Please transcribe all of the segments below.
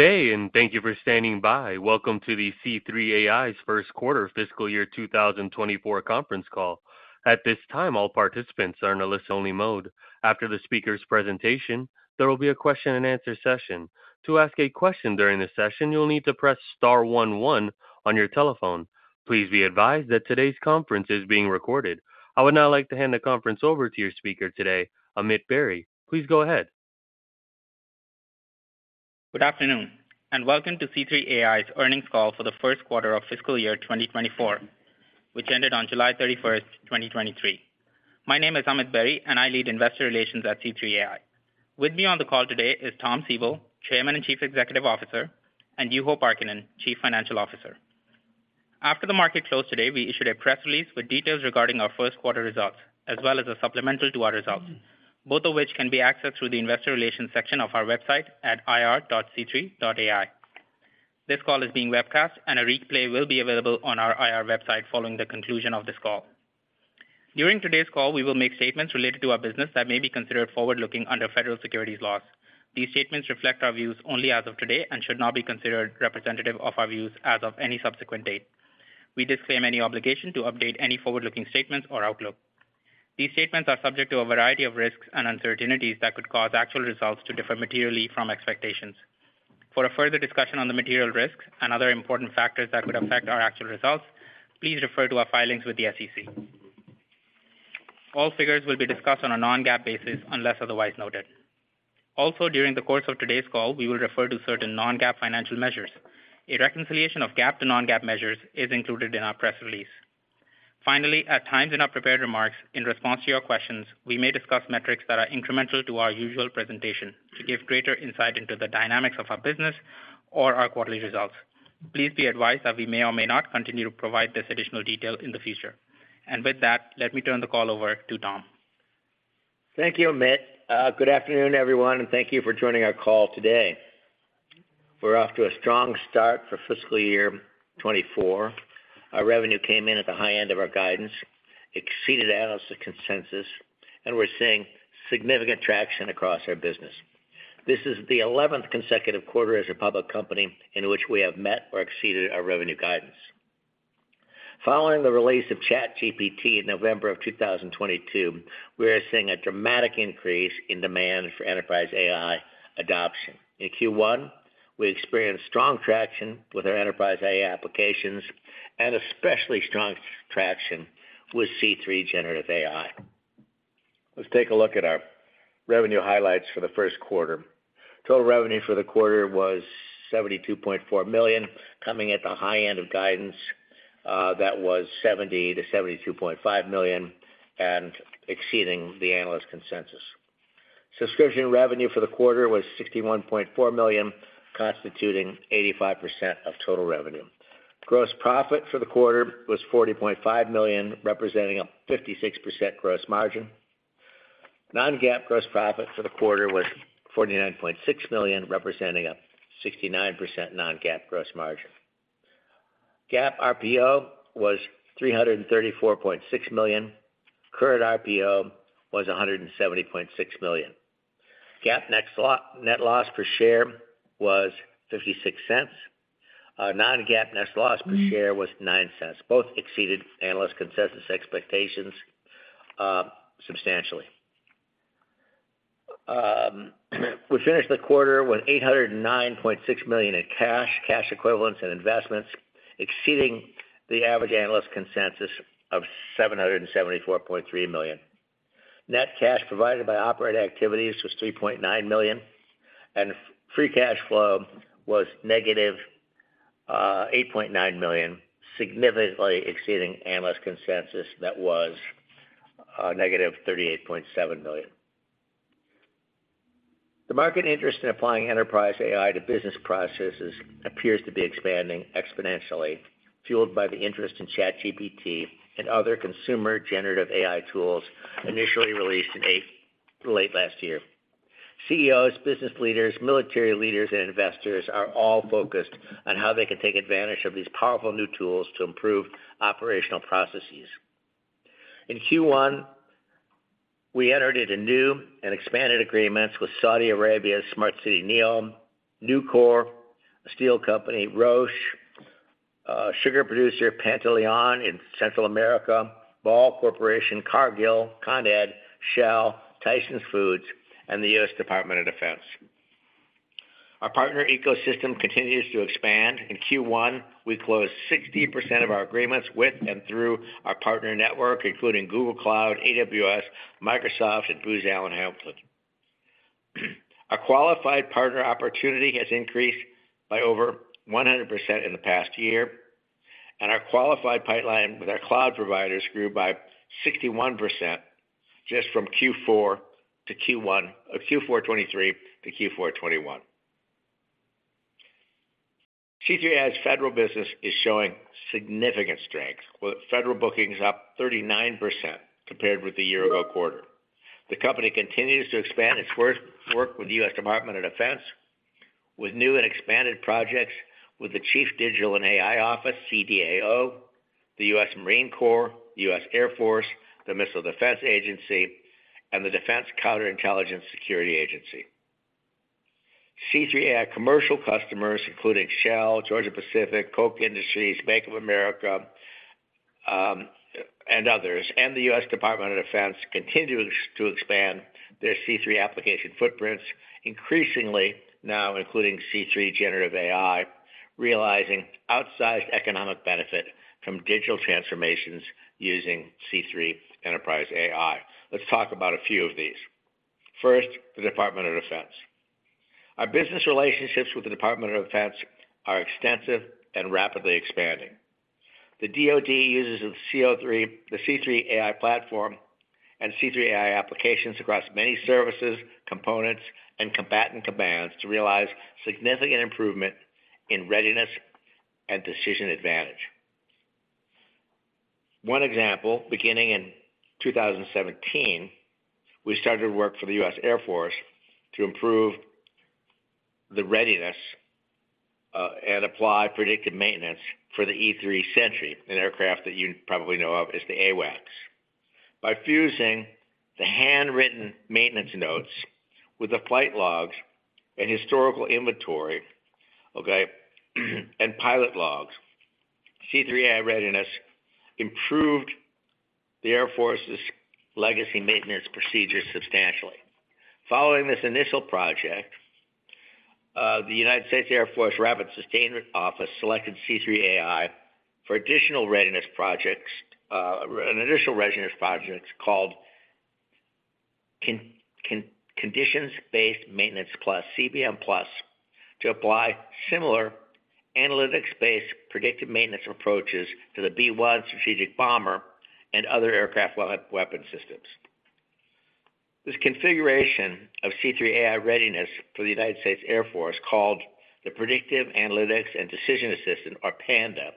Good day, and thank you for standing by. Welcome to C3.ai’s Q1 fiscal year 2024 conference call. At this time, all participants are in a listen-only mode. After the speaker's presentation, there will be a question-and-answer session. To ask a question during the session, you'll need to press star one one on your telephone. Please be advised that today's conference is being recorded. I would now like to hand the conference over to your speaker today, Amit Berry. Please go ahead. Good afternoon, and welcome to C3.ai’s earnings call for the Q1 of fiscal year 2024, which ended on July 31, 2023. My name is Amit Berry, and I lead Investor Relations at C3 AI. With me on the call today is Tom Siebel, Chairman and Chief Executive Officer, and Juho Parkkinen, Chief Financial Officer. After the market closed today, we issued a press release with details regarding our Q1 results, as well as a supplemental to our results, both of which can be accessed through the Investor relations section of our website at ir.c3.ai. This call is being webcast, and a replay will be available on our IR website following the conclusion of this call. During today's call, we will make statements related to our business that may be considered forward-looking under federal securities laws. These statements reflect our views only as of today and should not be considered representative of our views as of any subsequent date. We disclaim any obligation to update any forward-looking statements or outlook. These statements are subject to a variety of risks and uncertainties that could cause actual results to differ materially from expectations. For a further discussion on the material risks and other important factors that could affect our actual results, please refer to our filings with the SEC. All figures will be discussed on a non-GAAP basis, unless otherwise noted. Also, during the course of today's call, we will refer to certain non-GAAP financial measures. A reconciliation of GAAP to non-GAAP measures is included in our press release. Finally, at times in our prepared remarks, in response to your questions, we may discuss metrics that are incremental to our usual presentation to give greater insight into the dynamics of our business or our quarterly results. Please be advised that we may or may not continue to provide this additional detail in the future. With that, let me turn the call over to Tom. Thank you, Amit. Good afternoon, everyone, and thank you for joining our call today. We're off to a strong start for fiscal year 2024. Our revenue came in at the high end of our guidance, exceeded analyst consensus, and we're seeing significant traction across our business. This is the 11th consecutive quarter as a public company in which we have met or exceeded our revenue guidance. Following the release of ChatGPT in November of 2022, we are seeing a dramatic increase in demand for enterprise AI adoption. In Q1, we experienced strong traction with our enterprise AI applications and especially strong traction with C3 Generative AI. Let's take a look at our revenue highlights for the Q1. Total revenue for the quarter was $72.4 million, coming at the high end of guidance, that was $70-$72.5 million and exceeding the analyst consensus. Subscription revenue for the quarter was $61.4 million, constituting 85% of total revenue. Gross profit for the quarter was $40.5 million, representing a 56% gross margin. Non-GAAP gross profit for the quarter was $49.6 million, representing a 69% non-GAAP gross margin. GAAP RPO was $334.6 million. Current RPO was $170.6 million. GAAP net loss per share was 56 cents. Non-GAAP net loss per share was 9 cents. Both exceeded analyst consensus expectations, substantially. We finished the quarter with $809.6 million in cash, cash equivalents, and investments, exceeding the average analyst consensus of $774.3 million. Net cash provided by operating activities was $3.9 million, and free cash flow was -$8.9 million, significantly exceeding analyst consensus that was -$38.7 million. The market interest in applying Enterprise AI to business processes appears to be expanding exponentially, fueled by the interest in ChatGPT and other consumer generative AI tools initially released in late last year. CEOs, business leaders, military leaders, and investors are all focused on how they can take advantage of these powerful new tools to improve operational processes. In Q1, we entered into new and expanded agreements with Saudi Arabia's smart city, NEOM, Nucor, a steel company, Roche, sugar producer, Pantaleon in Central America, Ball Corporation, Cargill, Con Ed, Shell, Tyson Foods, and the U.S. Department of Defense. Our partner ecosystem continues to expand. In Q1, we closed 60% of our agreements with and through our partner network, including Google Cloud, AWS, Microsoft, and Booz Allen Hamilton. Our qualified partner opportunity has increased by over 100% in the past year, and our qualified pipeline with our cloud providers grew by 61% just from Q4 to Q1, Q4 2023 to Q1 2024. C3 AI's federal business is showing significant strength, with federal bookings up 39% compared with the year ago quarter. The company continues to expand its work with the U.S. Department of Defense, with new and expanded projects with the Chief Digital and Artificial Intelligence Office, CDAO. The U.S. Marine Corps, U.S. Air Force, the Missile Defense Agency, and the Defense Counterintelligence and Security Agency. C3 AI commercial customers, including Shell, Georgia-Pacific, Koch Industries, Bank of America, and others, and the U.S. Department of Defense, continue to expand their C3 application footprints, increasingly now including C3 Generative AI, realizing outsized economic benefit from digital transformations using C3 Enterprise AI. Let's talk about a few of these. First, the Department of Defense. Our business relationships with the Department of Defense are extensive and rapidly expanding. The DoD uses of C3 the C3 AI Platform and C3 AI applications across many services, components, and combatant commands to realize significant improvement in readiness and decision advantage. One example, beginning in 2017, we started to work for the U.S. Air Force to improve the readiness and apply predictive maintenance for the E-3 Sentry, an aircraft that you probably know of as the AWACS. By fusing the handwritten maintenance notes with the flight logs and historical inventory, okay, and pilot logs, C3 AI Readiness improved the Air Force's legacy maintenance procedures substantially. Following this initial project, the United States Air Force Rapid Sustainment Office selected C3 AI for additional readiness projects, an additional readiness project called Condition-Based Maintenance Plus, CBM+, to apply similar analytics-based predictive maintenance approaches to the B-1 strategic bomber and other aircraft weapon systems. This configuration of C3 AI Readiness for the United States Air Force, called the Predictive Analytics and Decision Assistant, or PANDA,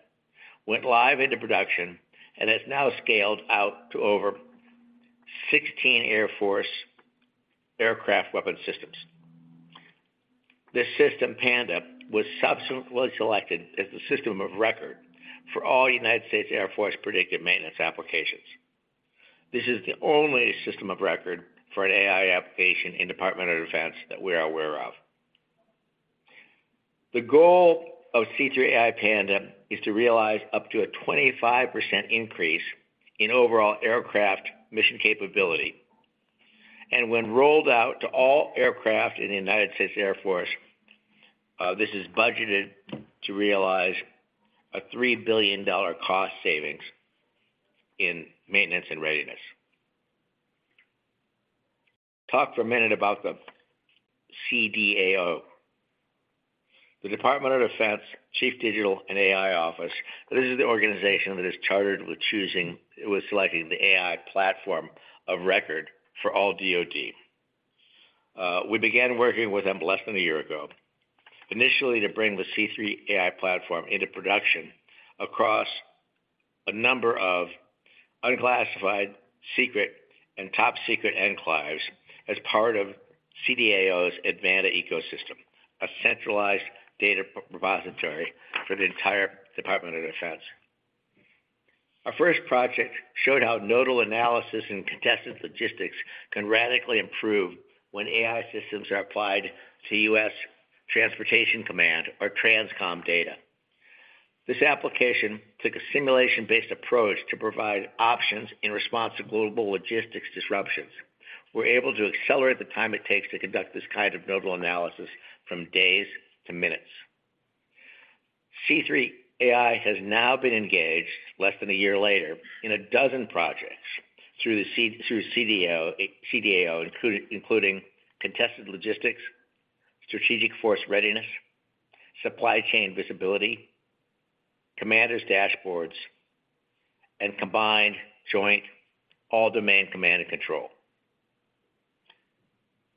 went live into production and has now scaled out to over 16 Air Force aircraft weapon systems. This system, PANDA, was subsequently selected as the system of record for all United States Air Force predictive maintenance applications. This is the only system of record for an AI application in Department of Defense that we are aware of. The goal of C3 AI PANDA is to realize up to a 25% increase in overall aircraft mission capability. And when rolled out to all aircraft in the United States Air Force, this is budgeted to realize a $3 billion cost savings in maintenance and readiness. Talk for a minute about the CDAO, the Department of Defense, Chief Digital and AI Office. This is the organization that is chartered with selecting the AI platform of record for all DoD. We began working with them less than a year ago, initially to bring the C3 AI platform into production across a number of unclassified, secret, and top-secret enclaves as part of CDAO's Advana ecosystem, a centralized data repository for the entire Department of Defense. Our first project showed how nodal analysis and contested logistics can radically improve when AI systems are applied to U.S. Transportation Command, or TRANSCOM, data. This application took a simulation-based approach to provide options in response to global logistics disruptions. We're able to accelerate the time it takes to conduct this kind of nodal analysis from days to minutes. C3 AI has now been engaged, less than a year later, in a dozen projects through the CDAO, including contested logistics, strategic force readiness, supply chain visibility, commanders' dashboards, and Combined Joint All-Domain Command and Control.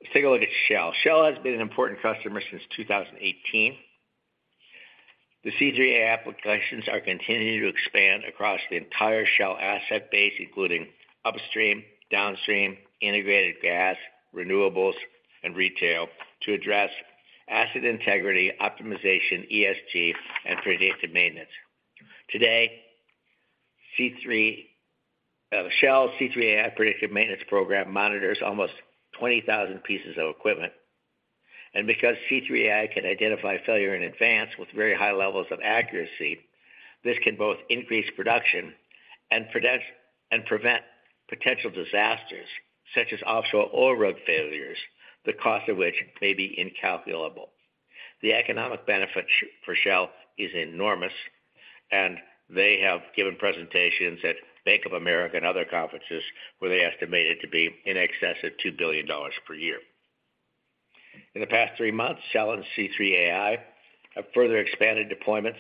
Let's take a look at Shell. Shell has been an important customer since 2018. The C3 AI applications are continuing to expand across the entire Shell asset base, including upstream, downstream, integrated gas, renewables, and retail to address asset integrity, optimization, ESG, and predictive maintenance. Today, C3 AI, Shell's C3 AI Predictive Maintenance Program monitors almost 20,000 pieces of equipment. And because C3 AI can identify failure in advance with very high levels of accuracy, this can both increase production and prevent potential disasters, such as offshore oil rig failures, the cost of which may be incalculable. The economic benefit for Shell is enormous, and they have given presentations at Bank of America and other conferences, where they estimate it to be in excess of $2 billion per year. In the past 3 months, Shell and C3 AI have further expanded deployments,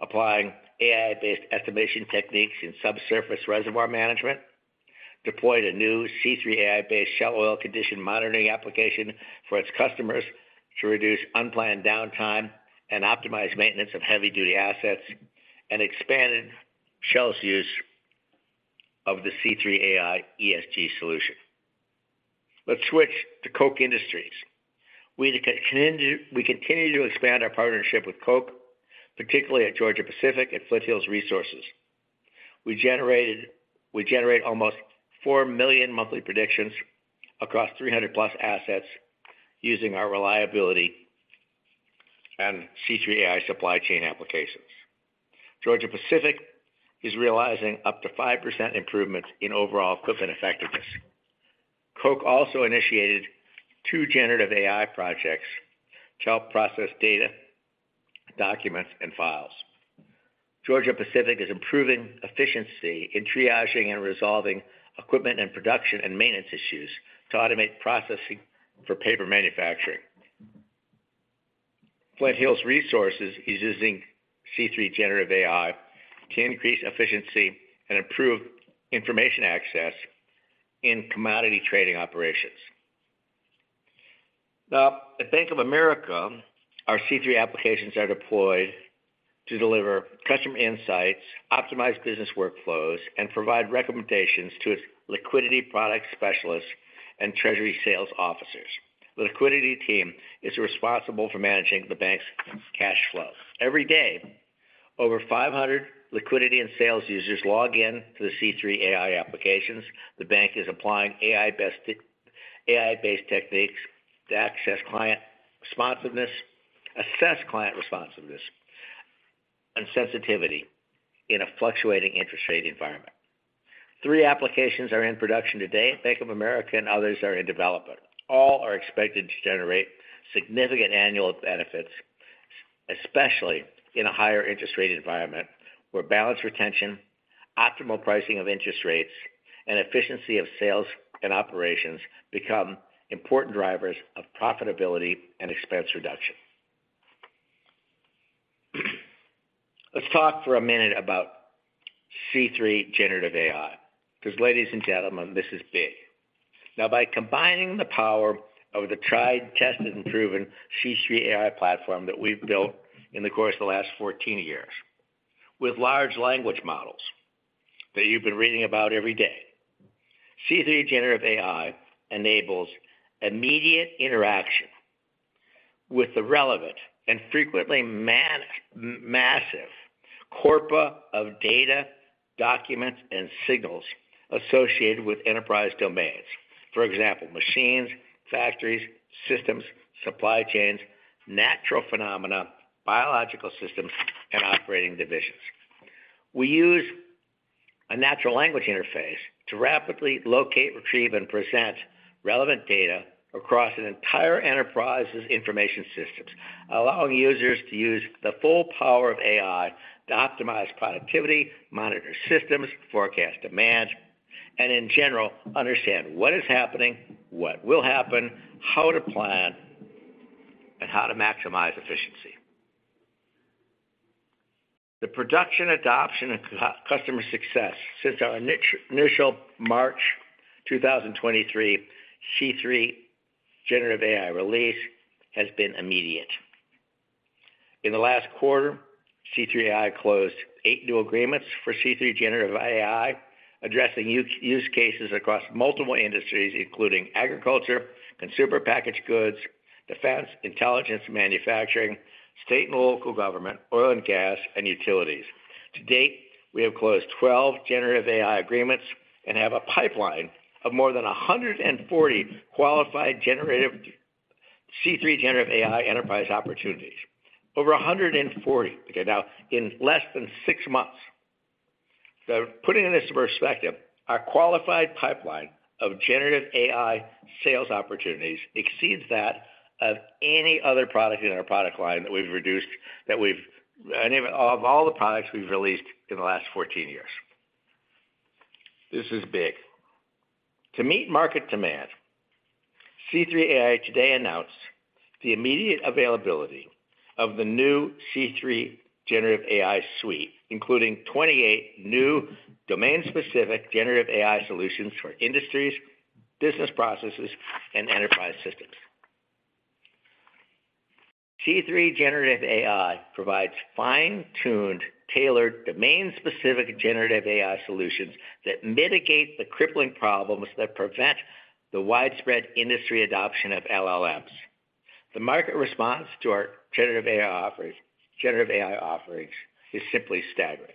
applying AI-based estimation techniques in subsurface reservoir management, deployed a new C3 AI-based Shell oil condition monitoring application for its customers to reduce unplanned downtime and optimize maintenance of heavy-duty assets, and expanded Shell's use of C3 AI ESG solution. Let's switch to Koch Industries. We continue to expand our partnership with Koch, particularly at Georgia-Pacific and Flint Hills Resources. We generate almost 4 million monthly predictions across 300+ assets using our reliability and C3 AI supply chain applications. Georgia-Pacific is realizing up to 5% improvements in overall equipment effectiveness. Koch also initiated 2 generative AI projects to help process data, documents, and files. Georgia-Pacific is improving efficiency in triaging and resolving equipment and production and maintenance issues to automate processing for paper manufacturing. Flint Hills Resources is using C3 Generative AI to increase efficiency and improve information access in commodity trading operations. Now, at Bank of America, our C3 applications are deployed to deliver customer insights, optimize business workflows, and provide recommendations to its liquidity product specialists and treasury sales officers. The liquidity team is responsible for managing the bank's cash flows. Every day, over 500 liquidity and sales users log in to the C3 AI applications. The bank is applying AI-based techniques to assess client responsiveness and sensitivity in a fluctuating interest rate environment. 3 applications are in production today at Bank of America, and others are in development. All are expected to generate significant annual benefits, especially in a higher interest rate environment, where balance retention, optimal pricing of interest rates, and efficiency of sales and operations become important drivers of profitability and expense reduction. Let's talk for a minute about C3 Generative AI, 'cause ladies and gentlemen, this is big. Now, by combining the power of the tried, tested, and proven C3 AI Platform that we've built in the course of the last 14 years, with large language models that you've been reading about every day, C3 Generative AI enables immediate interaction with the relevant and frequently massive corpora of data, documents, and signals associated with enterprise domains. For example, machines, factories, systems, supply chains, natural phenomena, biological systems, and operating divisions. We use a natural language interface to rapidly locate, retrieve, and present relevant data across an entire enterprise's information systems, allowing users to use the full power of AI to optimize productivity, monitor systems, forecast demand, and in general, understand what is happening, what will happen, how to plan, and how to maximize efficiency. The production, adoption, and customer success since our initial March 2023 C3 Generative AI release has been immediate. In the last quarter, C3 AI closed 8 new agreements for C3 Generative AI, addressing use cases across multiple industries, including agriculture, consumer packaged goods, defense, intelligence, manufacturing, state and local government, oil and gas, and utilities. To date, we have closed 12 generative AI agreements and have a pipeline of more than 140 qualified C3 Generative AI enterprise opportunities. Over 140, okay? Now, in less than six months. So putting this in perspective, our qualified pipeline of generative AI sales opportunities exceeds that of any other product in our product line that we've. And of all the products we've released in the last 14 years. This is big. To meet market demand, C3 AI today announced the immediate availability of the new C3 Generative AI suite, including 28 new domain-specific generative AI solutions for industries, business processes, and enterprise systems. C3 Generative AI provides fine-tuned, tailored, domain-specific generative AI solutions that mitigate the crippling problems that prevent the widespread industry adoption of LLMs. The market response to our generative AI offerings is simply staggering.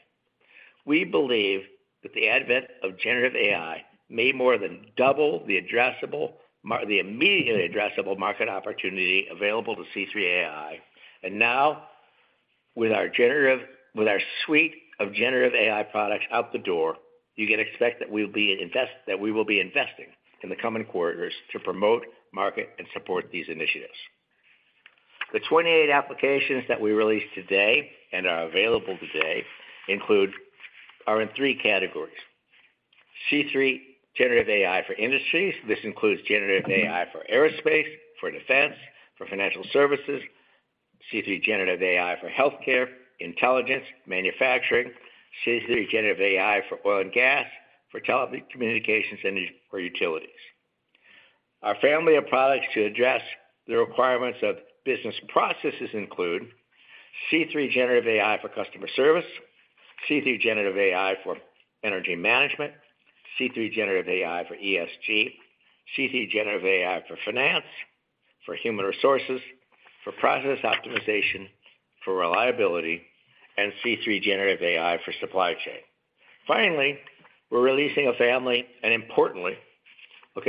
We believe that the advent of generative AI may more than double the immediately addressable market opportunity available to C3 AI. And now, with our suite of generative AI products out the door, you can expect that we will be investing in the coming quarters to promote, market, and support these initiatives. The 28 applications that we released today and are available today include... are in three categories: C3 Generative AI for industries. This includes generative AI for aerospace, for defense, for financial services, C3 Generative AI for Healthcare, intelligence, manufacturing, C3 Generative AI for Oil and Gas, for Telecommunications, and for utilities.... Our family of products to address the requirements of business processes include C3 Generative AI for Customer Service, C3 Generative AI for Energy Management, C3 Generative AI for ESG, C3 Generative AI, for Human Resources, for Process Optimization, for Reliability, and C3 Generative AI for Supply Chain. Finally, we're releasing a family, and importantly, of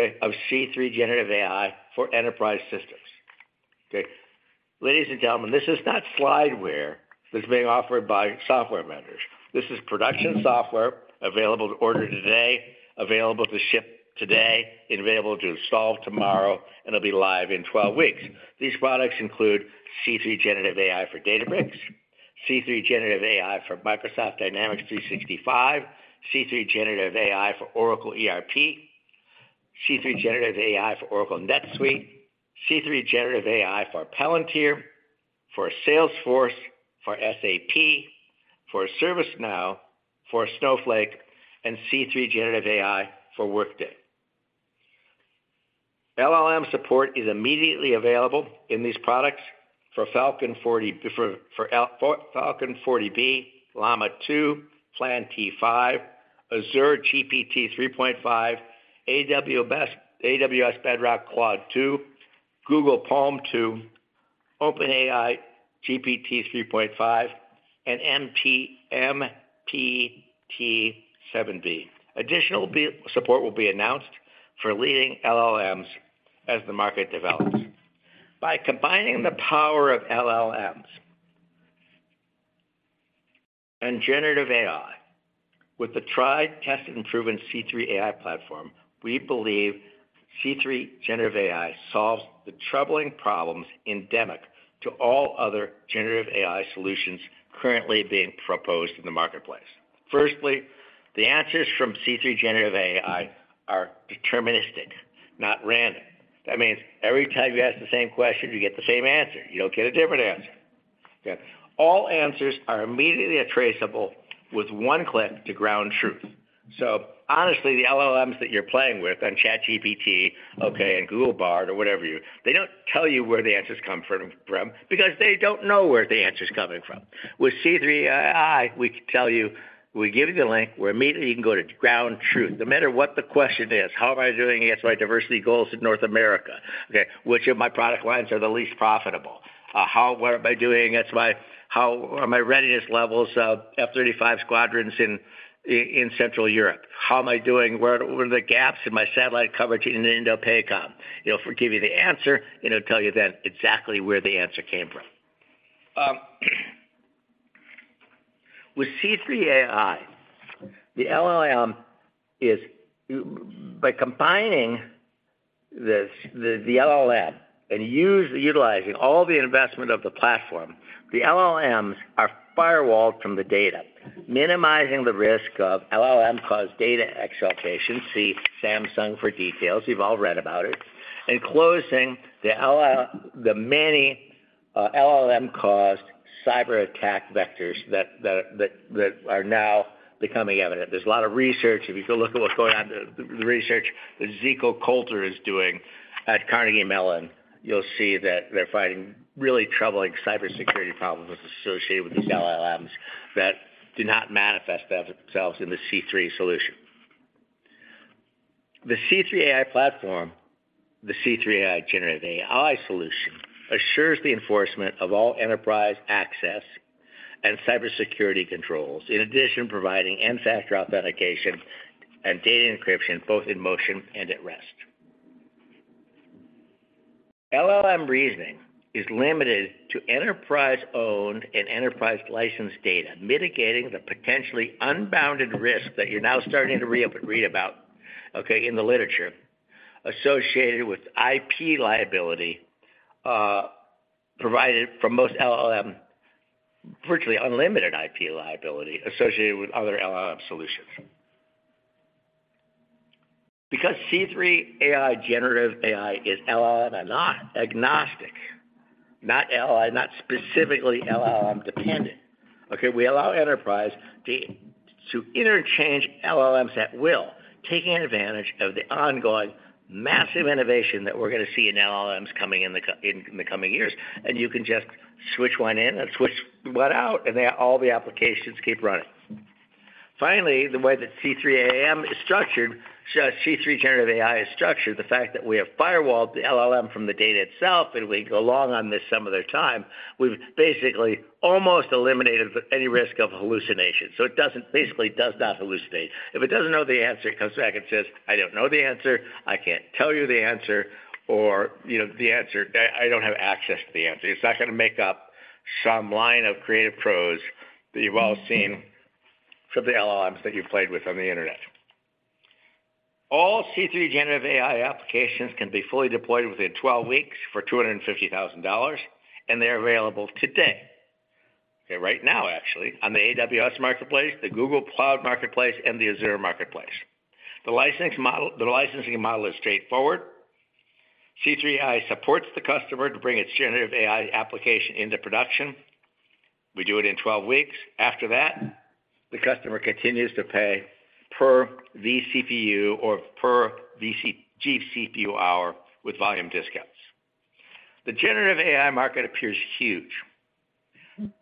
C3 Generative AI for enterprise systems. Ladies and gentlemen, this is not slideware that's being offered by software vendors. This is production software available to order today, available to ship today, and available to install tomorrow, and it'll be live in 12 weeks. These products include C3 Generative AI for Databricks, C3 Generative AI for Microsoft Dynamics 365, C3 Generative AI for Oracle ERP, C3 Generative AI for Oracle NetSuite, C3 Generative AI for Palantir, for Salesforce, for SAP, for ServiceNow, for Snowflake, and C3 Generative AI for Workday. LLM support is immediately available in these products for Falcon 40B, Llama 2, FLAN-T5, Azure GPT-3.5, AWS Bedrock Claude 2, Google PaLM 2, OpenAI GPT-3.5, and MPT-7B. Additional support will be announced for leading LLMs as the market develops. By combining the power of LLMs and generative AI with the tried, tested, and proven C3 AI platform, we believe C3 Generative AI solves the troubling problems endemic to all other generative AI solutions currently being proposed in the marketplace. Firstly, the answers from C3 Generative AI are deterministic, not random. That means every time you ask the same question, you get the same answer. You don't get a different answer. Okay? All answers are immediately traceable with one click to ground truth. So honestly, the LLMs that you're playing with on ChatGPT, okay, and Google Bard or whatever you... They don't tell you where the answers come from, because they don't know where the answer's coming from. With C3 AI, we can tell you, we give you the link, where immediately you can go to ground truth. No matter what the question is, "How am I doing against my diversity goals in North America?" Okay. "Which of my product lines are the least profitable? How are my readiness levels of F-35 squadrons in Central Europe? How am I doing—Where, what are the gaps in my satellite coverage in INDOPACOM?" It'll give you the answer, and it'll tell you then exactly where the answer came from. With C3 AI, the LLM is—By combining this, the LLM and utilizing all the investment of the platform, the LLMs are firewalled from the data, minimizing the risk of LLM-caused data exfiltration. See Samsung for details. You've all read about it. And closing the many LLM-caused cyberattack vectors that are now becoming evident. There's a lot of research. If you go look at what's going on, the research that Zico Kolter is doing at Carnegie Mellon, you'll see that they're finding really troubling cybersecurity problems associated with these LLMs that do not manifest themselves in the C3 solution. The C3 AI Platform, the C3 AI Generative AI solution, assures the enforcement of all enterprise access and cybersecurity controls, in addition providing MFA authentication and data encryption, both in motion and at rest. LLM reasoning is limited to enterprise-owned and enterprise-licensed data, mitigating the potentially unbounded risk that you're now starting to read about, okay, in the literature, associated with IP liability provided from most LLM, virtually unlimited IP liability associated with other LLM solutions. Because C3 AI Generative AI is not LLM-agnostic, not specifically LLM-dependent, okay, we allow enterprises to interchange LLMs at will, taking advantage of the ongoing massive innovation that we're gonna see in LLMs coming in the coming years. And you can just switch one in and switch one out, and then all the applications keep running. Finally, the way that C3 AI is structured, C3 Generative AI is structured, the fact that we have firewalled the LLM from the data itself, and we can go long on this some other time, we've basically almost eliminated any risk of hallucination. So basically, it does not hallucinate. If it doesn't know the answer, it comes back and says, "I don't know the answer. I can't tell you the answer," or, you know, "The answer—I, I don't have access to the answer." It's not gonna make up some line of creative prose that you've all seen from the LLMs that you've played with on the Internet. All C3 Generative AI applications can be fully deployed within 12 weeks for $250,000, and they're available today. Okay, right now, actually, on the AWS Marketplace, the Google Cloud Marketplace, and the Azure Marketplace. The license model—the licensing model is straightforward. C3 AI supports the customer to bring its generative AI application into production... We do it in 12 weeks. After that, the customer continues to pay per vCPU or per GPU hour with volume discounts. The generative AI market appears huge.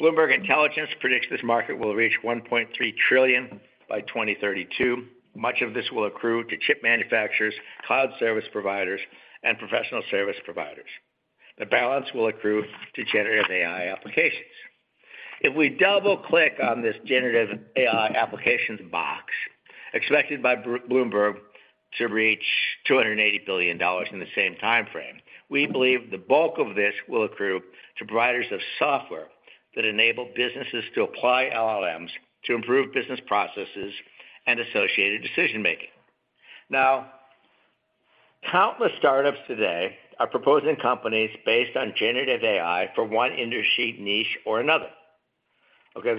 Bloomberg Intelligence predicts this market will reach $1.3 trillion by 2032. Much of this will accrue to chip manufacturers, cloud service providers, and professional service providers. The balance will accrue to generative AI applications. If we double-click on this generative AI applications box, expected by Bloomberg to reach $280 billion in the same time frame, we believe the bulk of this will accrue to providers of software that enable businesses to apply LLMs to improve business processes and associated decision-making. Now, countless startups today are proposing companies based on generative AI for one industry niche or another, okay?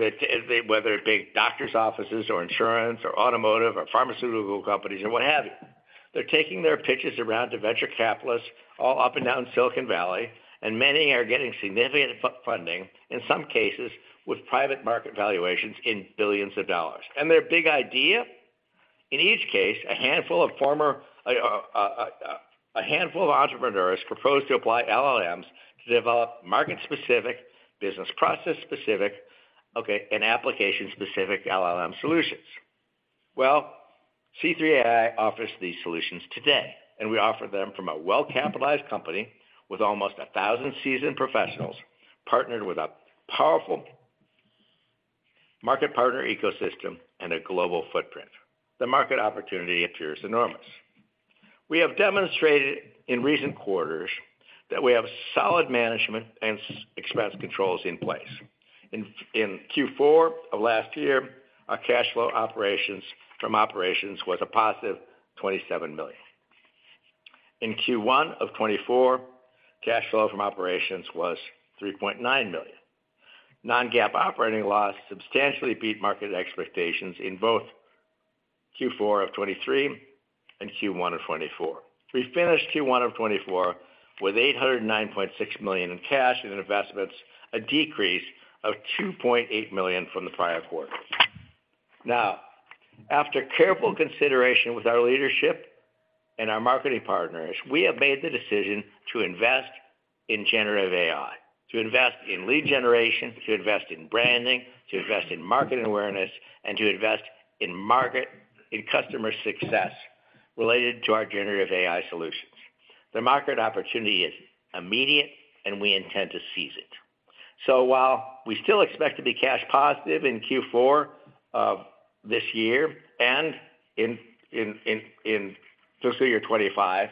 They, whether it be doctor's offices or insurance or automotive or pharmaceutical companies or what have you. They're taking their pitches around to venture capitalists all up and down Silicon Valley, and many are getting significant funding, in some cases, with private market valuations in billions of dollars. And their big idea? In each case, a handful of former entrepreneurs propose to apply LLMs to develop market-specific, business process-specific, okay, and application-specific LLM solutions. Well, C3 AI offers these solutions today, and we offer them from a well-capitalized company with almost 1,000 seasoned professionals, partnered with a powerful market partner ecosystem and a global footprint. The market opportunity appears enormous. We have demonstrated in recent quarters that we have solid management and strong expense controls in place. In Q4 of last year, our cash flow from operations was a positive $27 million. In Q1 of 2024, cash flow from operations was $3.9 million. Non-GAAP operating loss substantially beat market expectations in both Q4 of 2023 and Q1 of 2024. We finished Q1 of 2024 with $809.6 million in cash and investments, a decrease of $2.8 million from the prior quarter. Now, after careful consideration with our leadership and our marketing partners, we have made the decision to invest in generative AI, to invest in lead generation, to invest in branding, to invest in market awareness, and to invest in market in customer success related to our generative AI solutions. The market opportunity is immediate, and we intend to seize it. So while we still expect to be cash positive in Q4 of this year and in fiscal year 2025,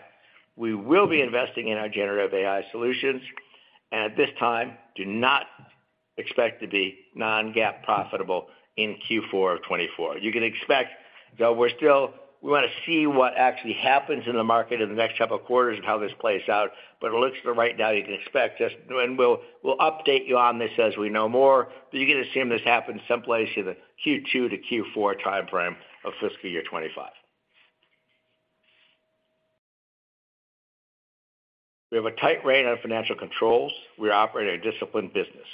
we will be investing in our generative AI solutions, and at this time, do not expect to be non-GAAP profitable in Q4 of 2024. You can expect, though we're still, we wanna see what actually happens in the market in the next couple of quarters and how this plays out, but it looks right now, you can expect this. And we'll update you on this as we know more, but you're gonna see this happen someplace in the Q2-Q4 timeframe of fiscal year 2025. We have a tight rein on financial controls. We operate a disciplined business,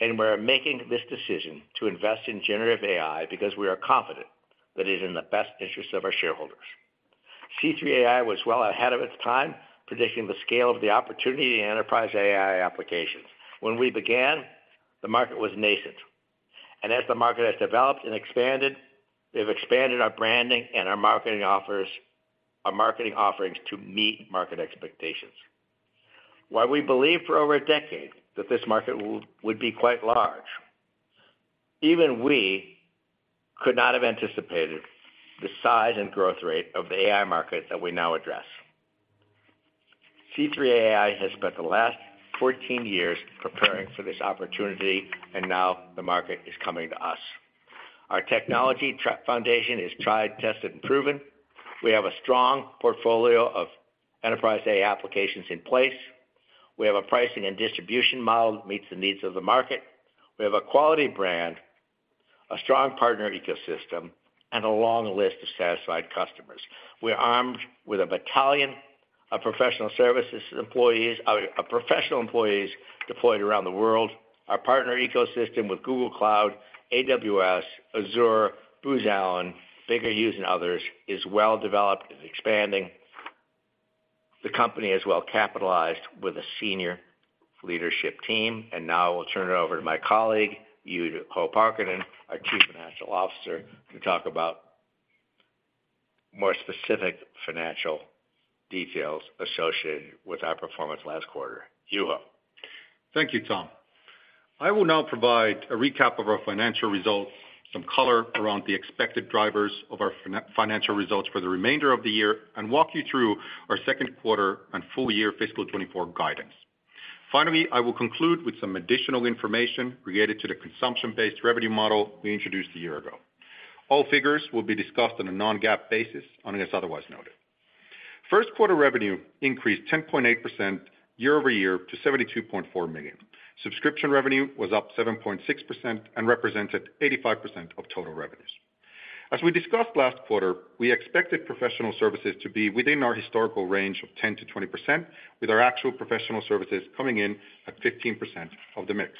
and we're making this decision to invest in generative AI because we are confident that it is in the best interest of our shareholders. C3 AI was well ahead of its time, predicting the scale of the opportunity in enterprise AI applications. When we began, the market was nascent, and as the market has developed and expanded, we've expanded our branding and our marketing offers, our marketing offerings to meet market expectations. While we believed for over a decade that this market would be quite large, even we could not have anticipated the size and growth rate of the AI market that we now address. C3 AI has spent the last 14 years preparing for this opportunity, and now the market is coming to us. Our technology foundation is tried, tested, and proven. We have a strong portfolio of enterprise AI applications in place. We have a pricing and distribution model that meets the needs of the market. We have a quality brand, a strong partner ecosystem, and a long list of satisfied customers. We're armed with a battalion of professional services employees, of professional employees deployed around the world. Our partner ecosystem with Google Cloud, AWS, Azure, Booz Allen, Baker Hughes, and others, is well developed and expanding. The company is well capitalized with a senior leadership team, and now I will turn it over to my colleague, Juho Parkkinen, our Chief Financial Officer, to talk about more specific financial details associated with our performance last quarter. Juho? Thank you, Tom. I will now provide a recap of our financial results, some color around the expected drivers of our financial results for the remainder of the year, and walk you through our second quarter and full-year fiscal 2024 guidance. Finally, I will conclude with some additional information related to the consumption-based revenue model we introduced a year ago. All figures will be discussed on a non-GAAP basis, unless otherwise noted. First-quarter revenue increased 10.8% year-over-year to $72.4 million. Subscription revenue was up 7.6% and represented 85% of total revenues. As we discussed last quarter, we expected professional services to be within our historical range of 10%-20%, with our actual professional services coming in at 15% of the mix.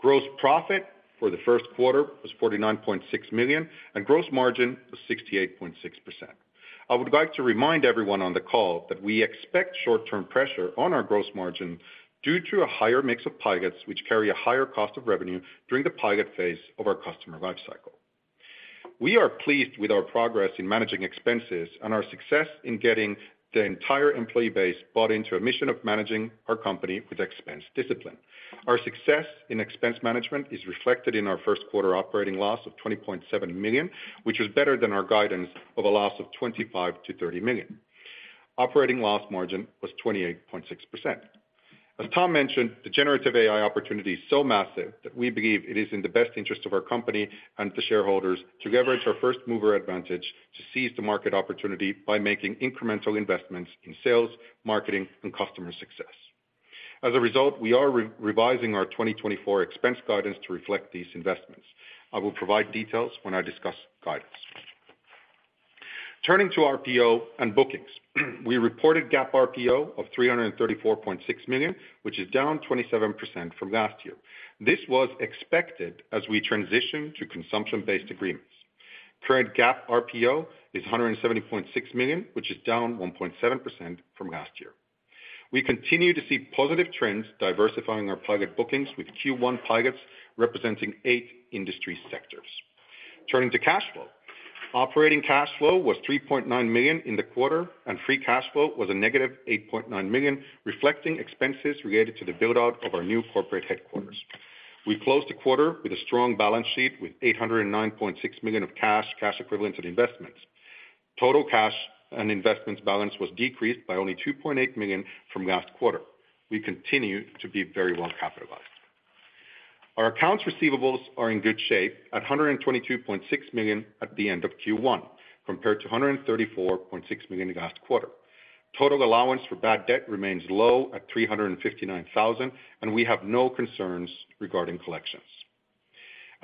Gross profit for the Q1 was $49.6 million, and gross margin was 68.6%. I would like to remind everyone on the call that we expect short-term pressure on our gross margin due to a higher mix of pilots, which carry a higher cost of revenue during the pilot phase of our customer life cycle. We are pleased with our progress in managing expenses and our success in getting the entire employee base bought into a mission of managing our company with expense discipline. Our success in expense management is reflected in our Q1 operating loss of $20.7 million, which is better than our guidance of a loss of $25 million-$30 million. Operating loss margin was 28.6%. As Tom mentioned, the generative AI opportunity is so massive that we believe it is in the best interest of our company and the shareholders to leverage our first mover advantage to seize the market opportunity by making incremental investments in sales, marketing, and customer success. As a result, we are revising our 2024 expense guidance to reflect these investments. I will provide details when I discuss guidance. Turning to RPO and bookings. We reported GAAP RPO of $334.6 million, which is down 27% from last year. This was expected as we transition to consumption-based agreements. Current GAAP RPO is $170.6 million, which is down 1.7% from last year. We continue to see positive trends diversifying our pilot bookings, with Q1 pilots representing eight industry sectors. Turning to cash flow. Operating cash flow was $3.9 million in the quarter, and free cash flow was -$8.9 million, reflecting expenses related to the build-out of our new corporate headquarters. We closed the quarter with a strong balance sheet, with $809.6 million of cash, cash equivalents, and investments. Total cash and investments balance was decreased by only $2.8 million from last quarter. We continue to be very well capitalized. Our accounts receivables are in good shape at $122.6 million at the end of Q1, compared to $134.6 million in last quarter. Total allowance for bad debt remains low at $359,000, and we have no concerns regarding collections.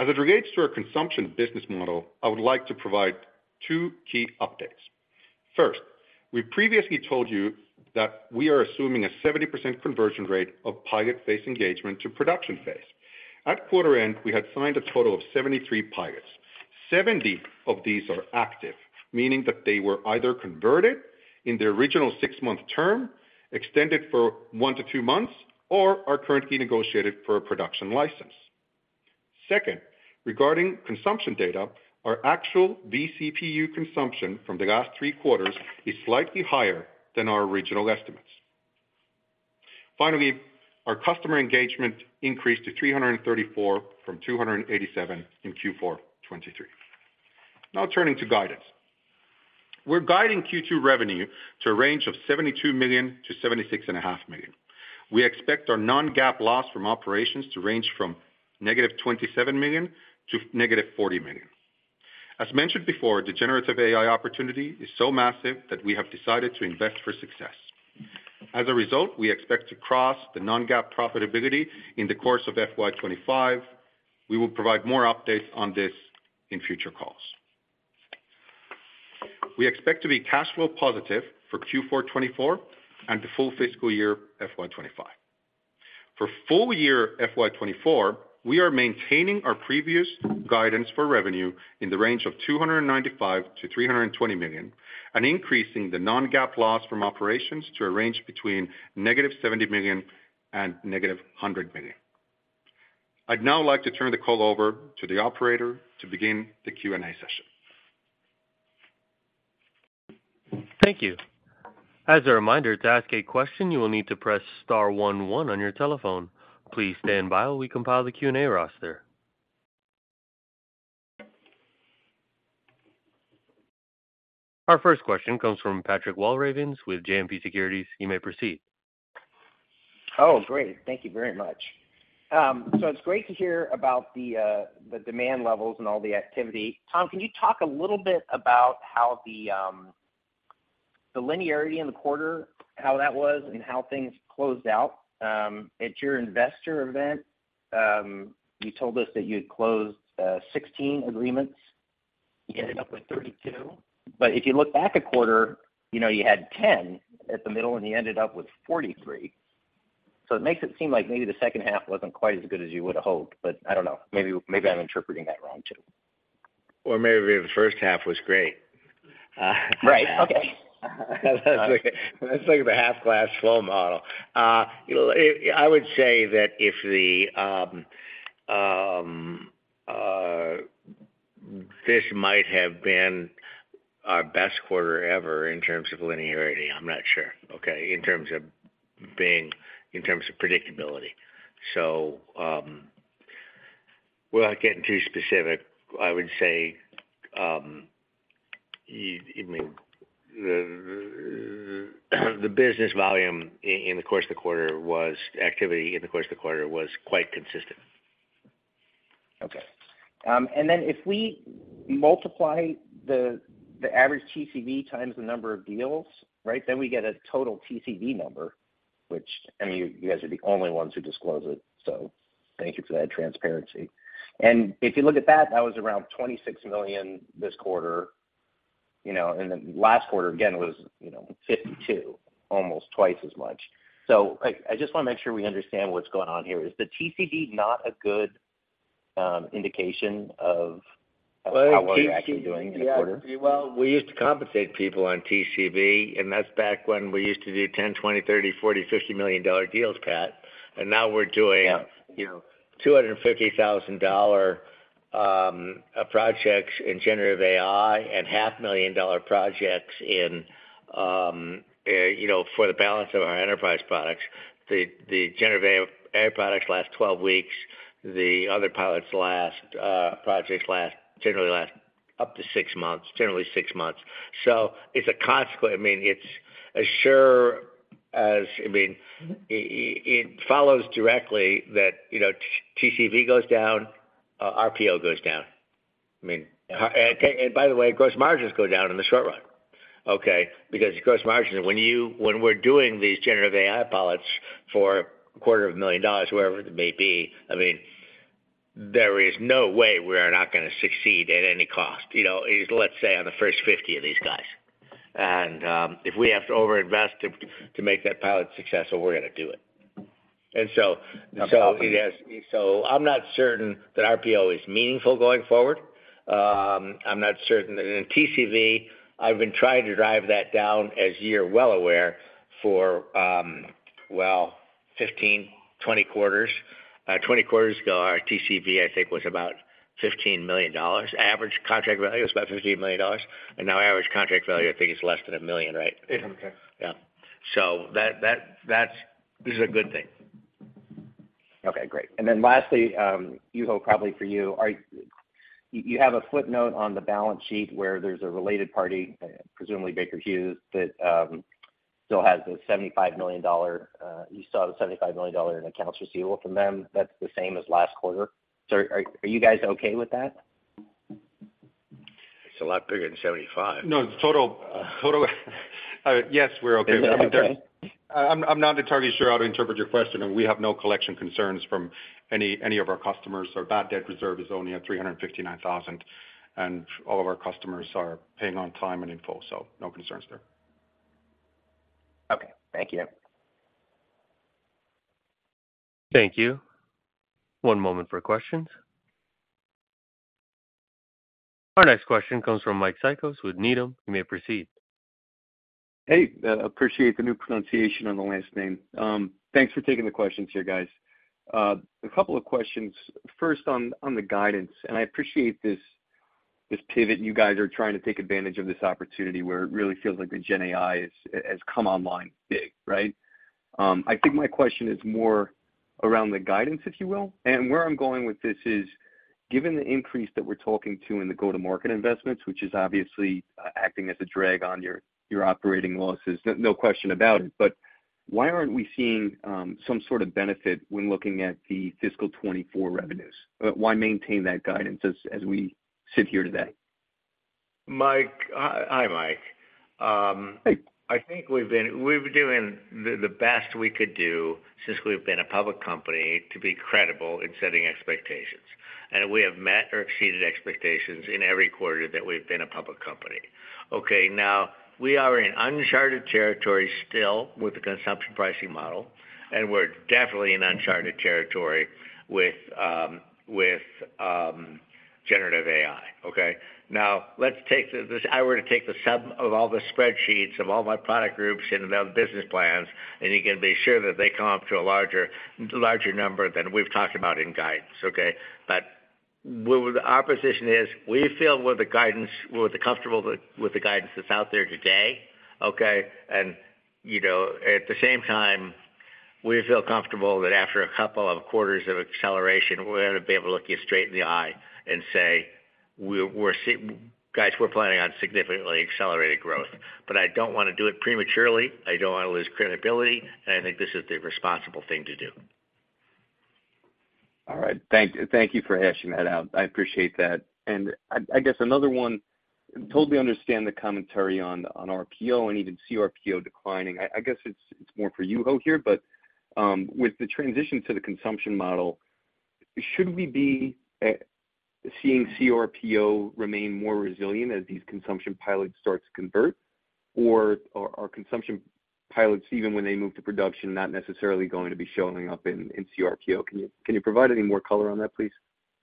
As it relates to our consumption business model, I would like to provide two key updates. First, we previously told you that we are assuming a 70% conversion rate of pilot phase engagement to production phase. At quarter end, we had signed a total of 73 pilots. 70 of these are active, meaning that they were either converted in their original six-month term, extended for one to two months, or are currently negotiated for a production license. Second, regarding consumption data, our actual vCPU consumption from the last 3 quarters is slightly higher than our original estimates. Finally, our customer engagement increased to 334 from 287 in Q4 2023. Now turning to guidance. We're guiding Q2 revenue to a range of $72 million-$76.5 million. We expect our non-GAAP loss from operations to range from -$27 million to -$40 million. As mentioned before, the generative AI opportunity is so massive that we have decided to invest for success. As a result, we expect to cross the non-GAAP profitability in the course of FY 2025. We will provide more updates on this in future calls. We expect to be cash flow positive for Q4 2024 and the full fiscal year FY 2025. For full year FY 2024, we are maintaining our previous guidance for revenue in the range of $295 million-$320 million, and increasing the non-GAAP loss from operations to a range between -$70 million and -$100 million. I'd now like to turn the call over to the operator to begin the Q&A session. Thank you. As a reminder, to ask a question, you will need to press star one one on your telephone. Please stand by while we compile the Q&A roster. Our first question comes from Patrick Walravens with JMP Securities. You may proceed. Oh, great. Thank you very much. So it's great to hear about the, the demand levels and all the activity. Tom, can you talk a little bit about how the, the linearity in the quarter, how that was and how things closed out? At your investor event, you told us that you had closed, sixteen agreements. You ended up with 32, but if you look back a quarter, you know, you had 10 at the middle, and you ended up with 43. So it makes it seem like maybe the second half wasn't quite as good as you would have hoped, but I don't know. Maybe, maybe I'm interpreting that wrong, too. Or maybe the first half was great. Right. Okay. That's like the half glass full model. You know, it... I would say that if the, this might have been our best quarter ever in terms of linearity, I'm not sure, okay, in terms of being, in terms of predictability. So, without getting too specific, I would say, you, I mean, the, the business volume in the course of the quarter was activity, in the course of the quarter was quite consistent. Okay. And then if we multiply the average TCV times the number of deals, right, then we get a total TCV number... which, I mean, you guys are the only ones who disclose it, so thank you for that transparency. And if you look at that, that was around $26 million this quarter, you know, and then last quarter, again, was, you know, $52 million, almost twice as much. So I just want to make sure we understand what's going on here. Is the TCV not a good indication of how well you're actually doing in the quarter? Well, we used to compensate people on TCV, and that's back when we used to do $10 million, $20 million, $30 million, $40 million, $50 million deals, Pat, and now we're doing- Yeah You know, $250,000 projects in generative AI and $500,000 projects in, you know, for the balance of our enterprise products. The generative AI products last 12 weeks, the other pilots last, projects last, generally last up to six months, generally six months. So it's a consequence. I mean, it's as sure as, I mean, it follows directly that, you know, TCV goes down, RPO goes down. I mean- Yeah. By the way, gross margins go down in the short run, okay? Because gross margins, when we're doing these generative AI pilots for $250,000, wherever it may be, I mean, there is no way we are not gonna succeed at any cost, you know, let's say on the first 50 of these guys. If we have to overinvest to make that pilot successful, we're gonna do it. So I'm not certain that RPO is meaningful going forward. I'm not certain. Then TCV, I've been trying to drive that down, as you're well aware, for 15, 20 quarters. Twenty quarters ago, our TCV, I think, was about $15 million. Average contract value was about $15 million, and now average contract value, I think, is less than $1 million, right? $800,000. Yeah. So that is a good thing. Okay, great. And then lastly, Juho, probably for you. Are you, you have a footnote on the balance sheet where there's a related party, presumably Baker Hughes, that still has the $75 million, you still have a $75 million in accounts receivable from them. That's the same as last quarter. So are you guys okay with that? It's a lot bigger than 75. No, total... Yes, we're okay. Okay. I'm not entirely sure how to interpret your question, and we have no collection concerns from any of our customers. Our bad debt reserve is only at $359,000, and all of our customers are paying on time and in full, so no concerns there. Okay, thank you. Thank you. One moment for questions. Our next question comes from Mike Cikos with Needham. You may proceed. Hey, appreciate the new pronunciation on the last name. Thanks for taking the questions here, guys. A couple of questions. First, on the guidance, and I appreciate this pivot, you guys are trying to take advantage of this opportunity where it really feels like the GenAI has come online big, right? I think my question is more around the guidance, if you will. And where I'm going with this is, given the increase that we're talking to in the go-to-market investments, which is obviously acting as a drag on your operating losses, no question about it, but why aren't we seeing some sort of benefit when looking at the fiscal 2024 revenues? Why maintain that guidance as we sit here today? Mike. Hi, Mike. Hey. I think we've been doing the best we could do since we've been a public company to be credible in setting expectations. We have met or exceeded expectations in every quarter that we've been a public company. Okay, now we are in uncharted territory still with the consumption pricing model, and we're definitely in uncharted territory with generative AI. Okay? Now, let's take this. If I were to take the sum of all the spreadsheets of all my product groups and their business plans, and you can be sure that they come up to a larger number than we've talked about in guidance, okay? But well, our position is, we feel with the guidance we're comfortable with the guidance that's out there today, okay? You know, at the same time, we feel comfortable that after a couple of quarters of acceleration, we're gonna be able to look you straight in the eye and say, "Guys, we're planning on significantly accelerated growth." But I don't want to do it prematurely. I don't want to lose credibility, and I think this is the responsible thing to do. All right. Thank you for hashing that out. I appreciate that. And I guess another one, totally understand the commentary on RPO and even CRPO declining. I guess it's more for Juho here, but with the transition to the consumption model, should we be seeing CRPO remain more resilient as these consumption pilots start to convert? Or are consumption pilots, even when they move to production, not necessarily going to be showing up in CRPO? Can you provide any more color on that, please?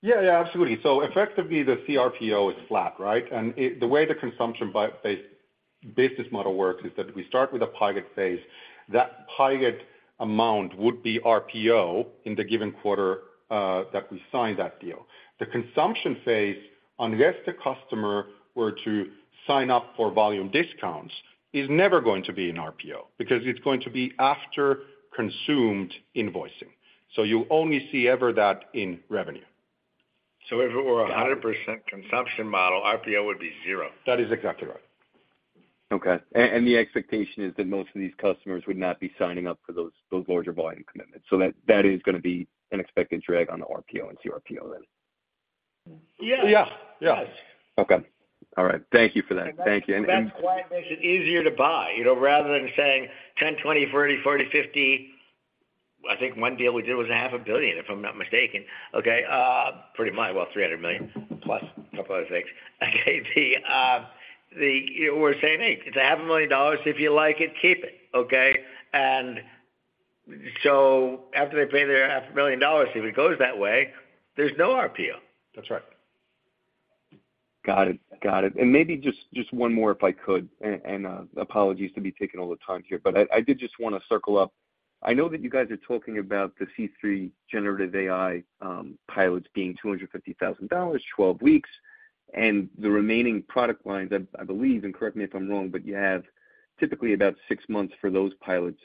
Yeah, yeah, absolutely. So effectively, the CRPO is flat, right? And it, the way the consumption pay-based business model works is that we start with a pilot phase. That pilot amount would be RPO in the given quarter that we signed that deal. The consumption phase, unless the customer were to sign up for volume discounts, is never going to be an RPO because it's going to be after consumed invoicing. So you only see ever that in revenue. If it were 100% consumption model, RPO would be zero. That is exactly right. Okay. And the expectation is that most of these customers would not be signing up for those larger volume commitments. So that is gonna be an expected drag on the RPO and CRPO then?... Yeah, yeah, yes. Okay. All right. Thank you for that. Thank you. That's why it makes it easier to buy, you know, rather than saying 10, 20, 30, 40, 50. I think one deal we did was $500 million, if I'm not mistaken, okay? Pretty much, well, $300 million, plus a couple other things. Okay, the, you know, we're saying, "Hey, it's $500,000. If you like it, keep it," okay? And so after they pay their $500,000, if it goes that way, there's no RPO. That's right. Got it. Got it. And maybe just one more, if I could, and apologies to be taking all the time here, but I did just wanna circle up. I know that you guys are talking about the C3 Generative AI pilots being $250,000, 12 weeks, and the remaining product lines, I believe, and correct me if I'm wrong, but you have typically about six months for those pilots.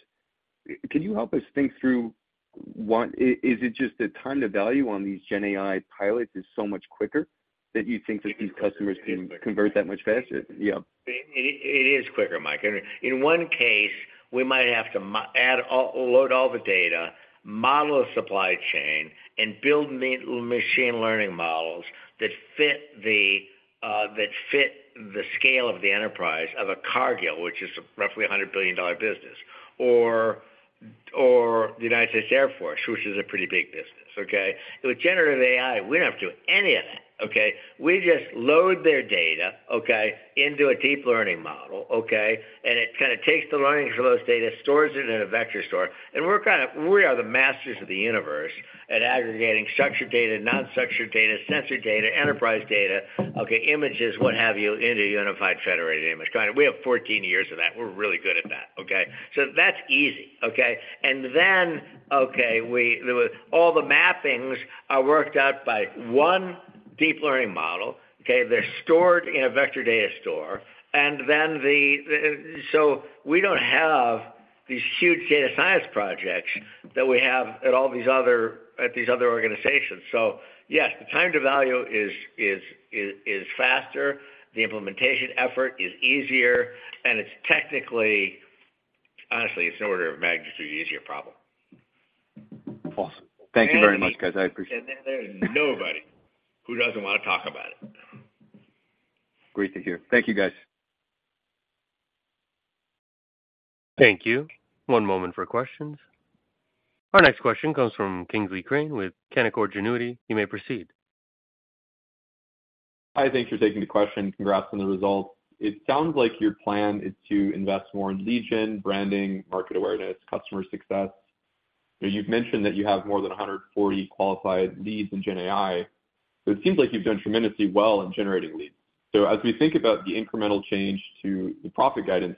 Can you help us think through what is it just the time to value on these GenAI pilots is so much quicker, that you think that these customers can convert that much faster? Yeah. It is quicker, Mike. In one case, we might have to add, load all the data, model a supply chain, and build machine learning models that fit the, that fit the scale of the enterprise of a Cargill, which is roughly a $100 billion business, or the United States Air Force, which is a pretty big business, okay? With generative AI, we don't have to do any of that, okay? We just load their data, okay, into a deep learning model, okay, and it kinda takes the learnings from those data, stores it in a vector store, and we're kinda. We are the masters of the universe at aggregating structured data, unstructured data, sensor data, enterprise data, okay, images, what have you, into a unified federated image. Kinda, we have 14 years of that. We're really good at that, okay? So that's easy, okay? And then, okay, with all the mappings worked out by one deep learning model, okay? They're stored in a Vector Data Store, and then the... So we don't have these huge data science projects that we have at all these other organizations. So yes, the time to value is faster, the implementation effort is easier, and it's technically, honestly, it's an order of magnitude easier problem. Awesome. Thank you very much, guys. I appreciate it. There's nobody who doesn't wanna talk about it. Great to hear. Thank you, guys. Thank you. One moment for questions. Our next question comes from Kingsley Crane with Canaccord Genuity. You may proceed. Hi, thanks for taking the question. Congrats on the results. It sounds like your plan is to invest more in lead gen, branding, market awareness, customer success. You've mentioned that you have more than 140 qualified leads in GenAI, so it seems like you've done tremendously well in generating leads. So as we think about the incremental change to the profit guidance,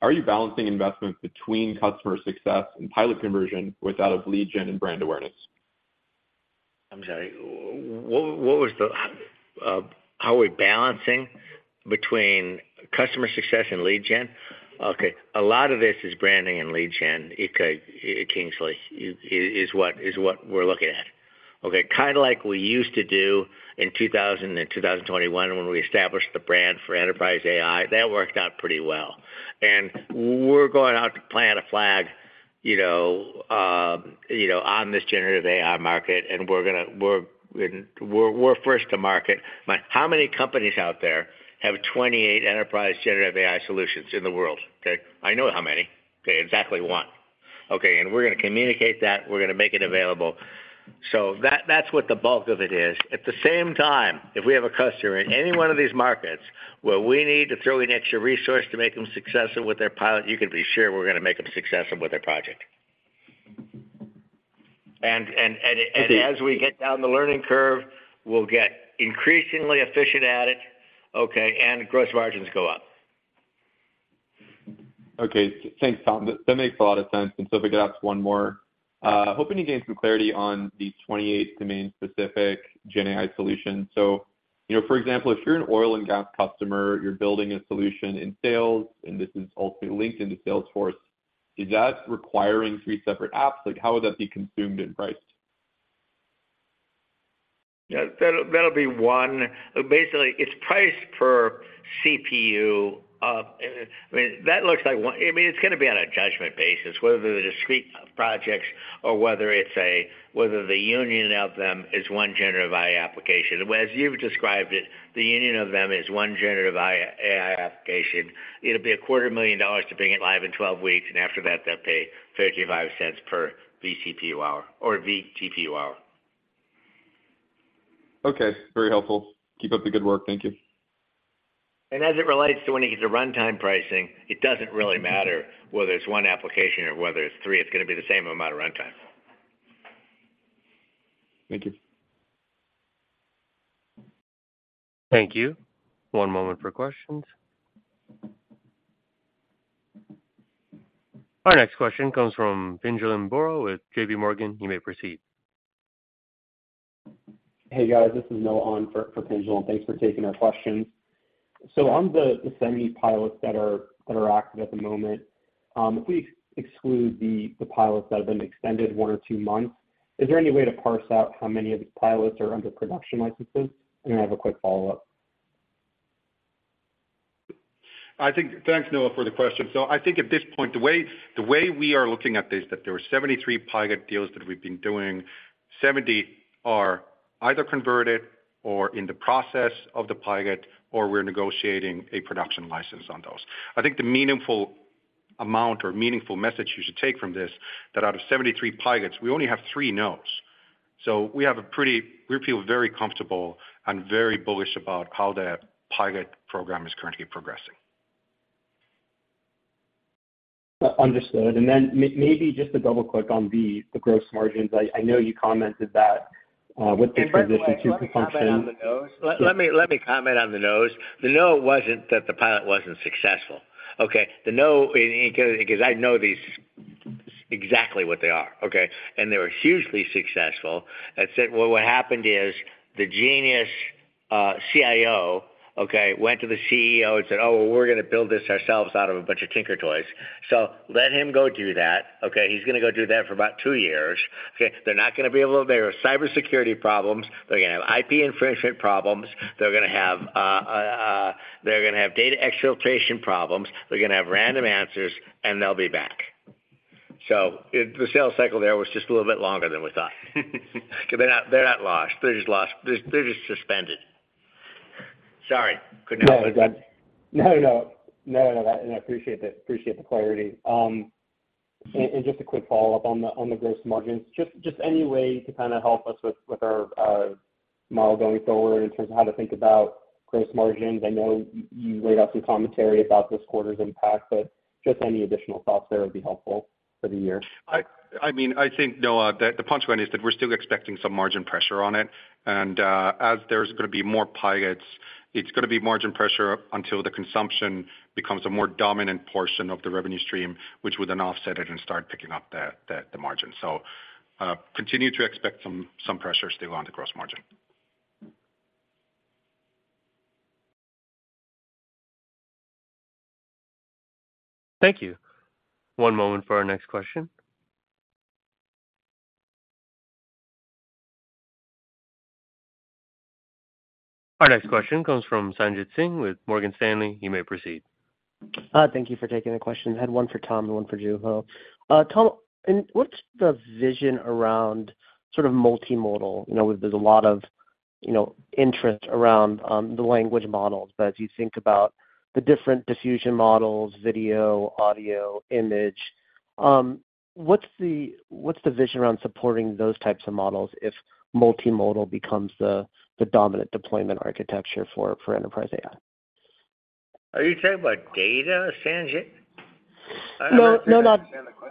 are you balancing investments between customer success and pilot conversion with that of lead gen and brand awareness? I'm sorry, what was the... How we're balancing between customer success and lead gen? Okay, a lot of this is branding and lead gen, because, Kingsley, is what we're looking at. Okay, kinda like we used to do in 2000 and 2021, when we established the brand for enterprise AI, that worked out pretty well. And we're going out to plant a flag, you know, you know, on this generative AI market, and we're gonna, we're, we're, we're first to market. But how many companies out there have 28 enterprise generative AI solutions in the world? Okay, I know how many. Okay, exactly one. Okay, and we're gonna communicate that, we're gonna make it available. So that, that's what the bulk of it is. At the same time, if we have a customer in any one of these markets where we need to throw in extra resource to make them successful with their pilot, you can be sure we're gonna make them successful with their project. And as we get down the learning curve, we'll get increasingly efficient at it, okay, and gross margins go up. Okay, thanks, Tom. That makes a lot of sense. And so if I could ask one more. Hoping to gain some clarity on the 28 domain-specific GenAI solutions. So you know, for example, if you're an oil and gas customer, you're building a solution in sales, and this is ultimately linked into Salesforce, is that requiring three separate apps? Like, how would that be consumed and priced? Yeah, that'll, that'll be one. Basically, it's priced per CPU. I mean, that looks like one. I mean, it's gonna be on a judgment basis, whether they're discrete projects or whether it's a, whether the union of them is one generative AI application. Well, as you've described it, the union of them is one generative AI application. It'll be $250,000 to bring it live in 12 weeks, and after that, they'll pay $0.35 per vCPU hour or vGPU hour. Okay, very helpful. Keep up the good work. Thank you. As it relates to when you get to runtime pricing, it doesn't really matter whether it's one application or whether it's three, it's gonna be the same amount of runtime. Thank you. Thank you. One moment for questions. Our next question comes from Pinjalim Bora with J.P. Morgan. You may proceed. Hey, guys, this is Noah on for Pinjal, and thanks for taking our questions. So on the semi pilots that are active at the moment, if we exclude the pilots that have been extended one or two months, is there any way to parse out how many of the pilots are under production licenses? And I have a quick follow-up.... I think, thanks, Noah, for the question. So I think at this point, the way, the way we are looking at this, that there are 73 pilot deals that we've been doing. 70 are either converted or in the process of the pilot, or we're negotiating a production license on those. I think the meaningful amount or meaningful message you should take from this, that out of 73 pilots, we only have 3 nos. So we have a pretty. We feel very comfortable and very bullish about how the pilot program is currently progressing. Understood. And then maybe just to double-click on the gross margins. I, I know you commented that, with the transition to the consumption- And by the way, let me comment on the nos. Let me comment on the nos. The no wasn't that the pilot wasn't successful, okay? The no, and because I know these exactly what they are, okay? And they were hugely successful. That said, well, what happened is the genius CIO, okay, went to the CEO and said, "Oh, well, we're gonna build this ourselves out of a bunch of Tinker Toys." So let him go do that, okay? He's gonna go do that for about two years, okay? They're not gonna be able to... There are cybersecurity problems. They're gonna have IP infringement problems. They're gonna have data exfiltration problems. They're gonna have random answers, and they'll be back. So the sales cycle there was just a little bit longer than we thought. Because they're not lost, they're just suspended. Sorry, could not- No, that's... No, no, no, no, no, and I appreciate it, appreciate the clarity. And just a quick follow-up on the gross margins. Just any way to kinda help us with our model going forward in terms of how to think about gross margins. I know you laid out some commentary about this quarter's impact, but just any additional thoughts there would be helpful for the year. I mean, I think, Noah, the punchline is that we're still expecting some margin pressure on it. And, as there's gonna be more pilots, it's gonna be margin pressure until the consumption becomes a more dominant portion of the revenue stream, which would then offset it and start picking up the margin. So, continue to expect some pressure still on the gross margin. Thank you. One moment for our next question. Our next question comes from Sanjit Singh with Morgan Stanley. You may proceed. Thank you for taking the question. I had one for Tom and one for Juho. Tom, and what's the vision around sort of multimodal? You know, there's a lot of, you know, interest around the language models. But as you think about the different diffusion models, video, audio, image, what's the vision around supporting those types of models if multimodal becomes the dominant deployment architecture for enterprise AI? Are you talking about data, Sanjit? No, no, not-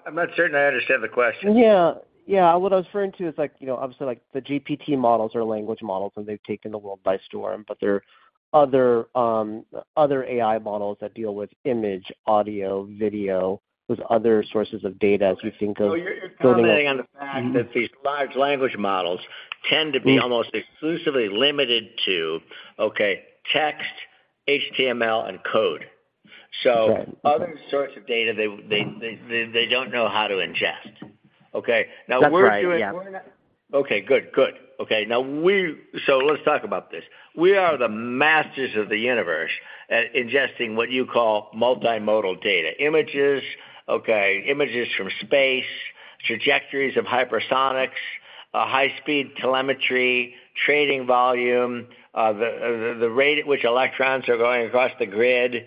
I'm not certain I understand the question. Yeah, yeah. What I was referring to is like, you know, obviously, like, the GPT models are language models, and they've taken the world by storm, but there are other, other AI models that deal with image, audio, video, with other sources of data as we think of- You're commenting on the fact that these large language models tend to be almost exclusively limited to, okay, text, HTML, and code. Okay. So other sorts of data, they don't know how to ingest. Okay? That's right, yeah. Now, we're doing... Okay, good, good. Okay, now we— so let's talk about this. We are the masters of the universe at ingesting what you call multimodal data. Images, okay, images from space, trajectories of hypersonics, high-speed telemetry, trading volume, the rate at which electrons are going across the grid,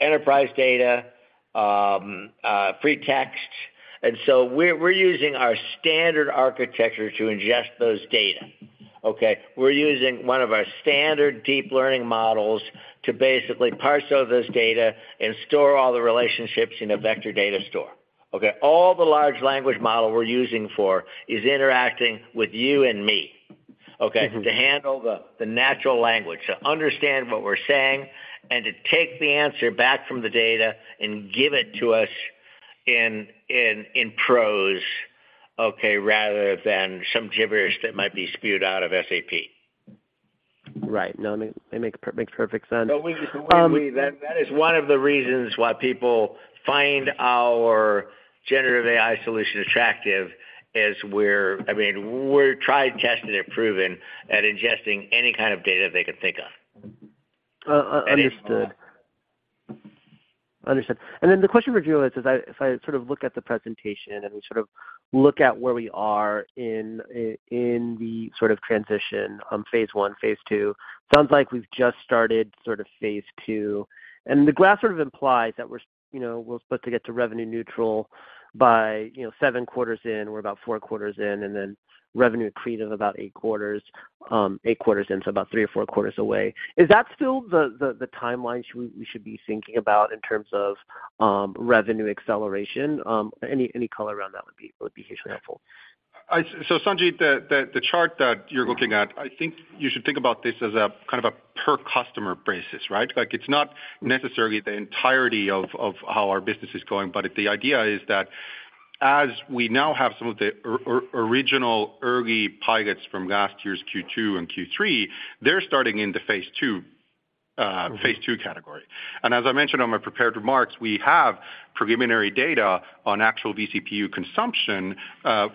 enterprise data, free text. And so we're using our standard architecture to ingest those data, okay? We're using one of our standard deep learning models to basically parse out this data and store all the relationships in a vector data store, okay? All the large language model we're using for is interacting with you and me, okay? Mm-hmm. To handle the natural language, to understand what we're saying, and to take the answer back from the data and give it to us in prose, okay, rather than some gibberish that might be spewed out of SAP. Right. No, it makes perfect sense. So that is one of the reasons why people find our generative AI solution attractive, is we're... I mean, we're tried, tested, and proven at ingesting any kind of data they can think of. Understood. Understood. And then the question for Juho is, as if I sort of look at the presentation and we sort of look at where we are in the sort of transition, Phase I, Phase II, sounds like we've just started sort of Phase II. And the graph sort of implies that we're, you know, we're supposed to get to revenue neutral by, you know, seven quarters in, we're about four quarters in, and then revenue accretive about eight quarters, eight quarters in, so about three or four quarters away. Is that still the timeline we should be thinking about in terms of revenue acceleration? Any color around that would be hugely helpful. So Sanjit, the chart that you're looking at, I think you should think about this as a kind of a per customer basis, right? Like, it's not necessarily the entirety of how our business is going, but the idea is that as we now have some of the original early pilots from last year's Q2 and Q3, they're starting in the phase two category. And as I mentioned on my prepared remarks, we have preliminary data on actual vCPU consumption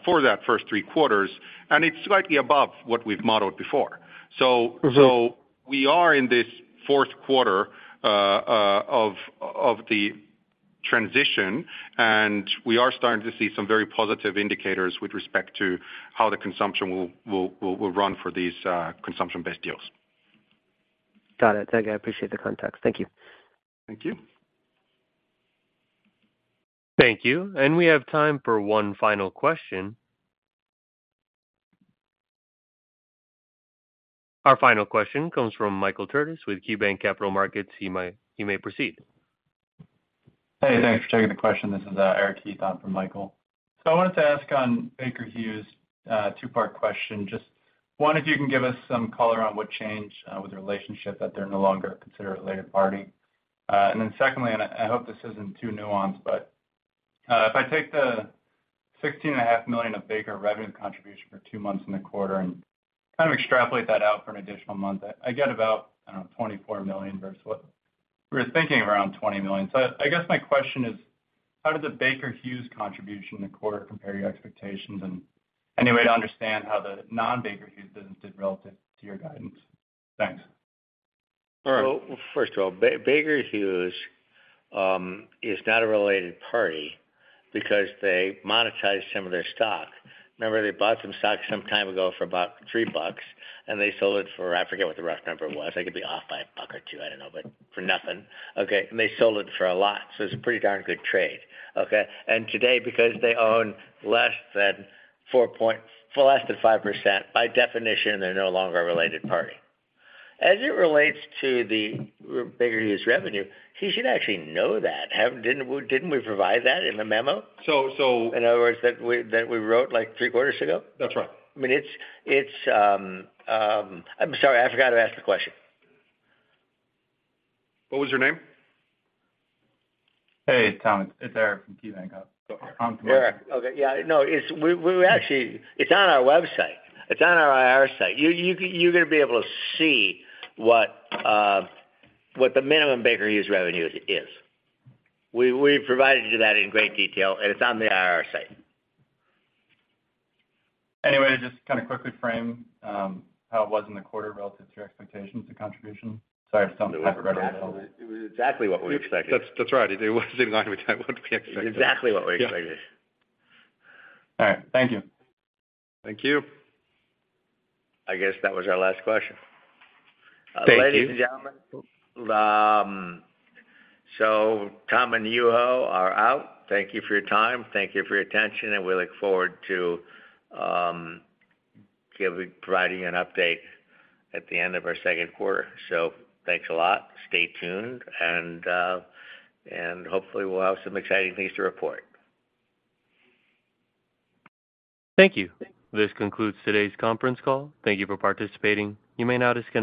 for that first three quarters, and it's slightly above what we've modeled before. Mm-hmm. So we are in this fourth quarter of the transition, and we are starting to see some very positive indicators with respect to how the consumption will run for these consumption-based deals. Got it. Thank you. I appreciate the context. Thank you. Thank you. Thank you. And we have time for one final question. Our final question comes from Michael Turrin with KeyBank Capital Markets. He may proceed. Hey, thanks for taking the question. This is Eric Heath on for Michael. So I wanted to ask on Baker Hughes, two-part question. Just one, if you can give us some color on what changed with the relationship that they're no longer considered a related party. And then secondly, and I, I hope this isn't too nuanced, but if I take the $16.5 million of Baker revenue contribution for two months in the quarter and kind of extrapolate that out for an additional month, I, I get about, I don't know, $24 million versus what we're thinking around $20 million. So I, I guess my question is, how did the Baker Hughes contribution in the quarter compare your expectations? And any way to understand how the non-Baker Hughes business did relative to your guidance? Thanks. All right. Well, first of all, Baker Hughes is not a related party because they monetized some of their stock. Remember, they bought some stock some time ago for about $3, and they sold it for, I forget what the rough number was. I could be off by $1 or $2, I don't know, but for nothing. Okay, and they sold it for a lot, so it's a pretty darn good trade, okay? And today, because they own less than 5%, by definition, they're no longer a related party. As it relates to the Baker Hughes revenue, you should actually know that. Haven't we, didn't we provide that in the memo? So, so- In other words, that we wrote, like, three quarters ago? That's right. I mean, it's... I'm sorry, I forgot to ask the question. What was your name? Hey, Tom. It's Eric from KeyBank, on for Michael. Eric, okay. Yeah, no, it's—we actually—it's on our website. It's on our IR site. You're gonna be able to see what the minimum Baker Hughes revenue is. We provided you that in great detail, and it's on the IR site. Any way to just kind of quickly frame how it was in the quarter relative to your expectations and contribution? Sorry if I sound- It was exactly what we expected. That's, that's right. It was exactly what we expected. Exactly what we expected. Yeah. All right. Thank you. Thank you. I guess that was our last question. Thank you. Ladies and gentlemen, so Tom and Juho are out. Thank you for your time. Thank you for your attention, and we look forward to providing an update at the end of our Q2. So thanks a lot. Stay tuned, and hopefully, we'll have some exciting things to report. Thank you. This concludes today's conference call. Thank you for participating. You may now disconnect.